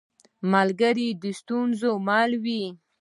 ملګری د ستونزو مل وي